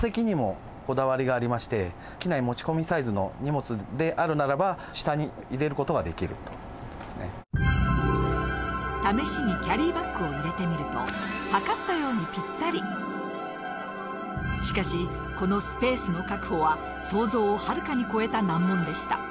機内持ち込みサイズの荷物であるならば試しにキャリーバッグを入れてみると測ったようにしかしこのスペースの確保は想像をはるかに超えた難問でした。